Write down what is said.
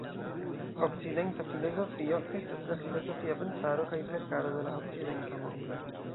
Okcidenta filozofio estas la filozofia pensaro kaj verkaro de la okcidenta mondo.